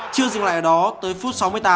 chưa dừng lại ở đó tới phút sáu mươi tám